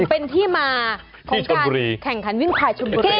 เป็นที่มาของการแข่งขันวิ่งพายชนบุรี